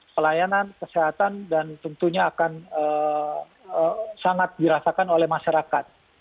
pelayanan kesehatan dan tentunya akan sangat dirasakan oleh masyarakat